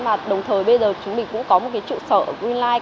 và đồng thời bây giờ chúng mình cũng có một cái trụ sở greenline